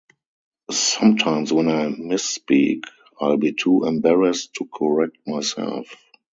Sometimes when I misspeak I’ll be too embarrassed to correct myself.